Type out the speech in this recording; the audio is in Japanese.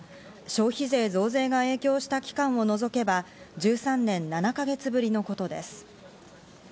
消費税増税が影響した期間を除けば、１３年７か月ぶりのことです。